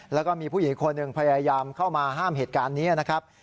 แล้วก็มีผู้หญิงคนหนึ่งพยายามเข้ามาห้ามเหตุการณ์นี้นะครับ